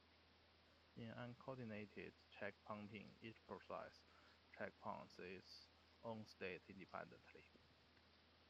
In uncoordinated checkpointing, each process checkpoints its own state independently.